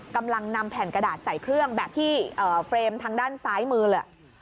กำลังนำแผ่นกระดาษใส่เครื่องแบบที่เฟรมทางด้านซ้ายมือเลย